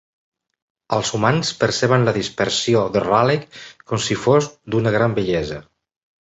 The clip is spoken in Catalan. Els humans perceben la dispersió de Raleigh com si fos d'una gran bellesa.